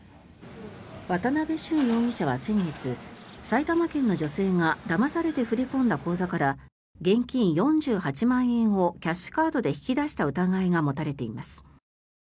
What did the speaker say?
渡邉舜容疑者は先月埼玉県の女性がだまされて振り込んだ口座から現金４８万円をキャッシュカードで引き出した疑いが持たれています。